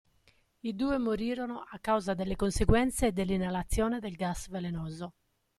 I due morirono a causa delle conseguenze dell'inalazione del gas velenoso.